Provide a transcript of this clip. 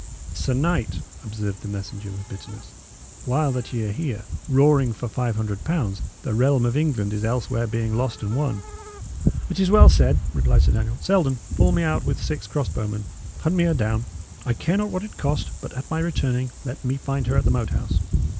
"Sir knight," observed the messenger, with bitterness, "while that ye are here, roaring for five hundred pounds, the realm of England is elsewhere being lost and won." "It is well said," replied Sir Daniel. "Selden, fall me out with six cross bowmen; hunt me her down. I care not what it cost; but, at my returning, let me find her at the Moat House.